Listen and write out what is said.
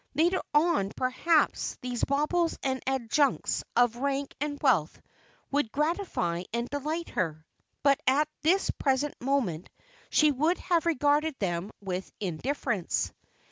Later on, perhaps, these baubles and adjuncts of rank and wealth would gratify and delight her, but at this present moment she would have regarded them with indifference.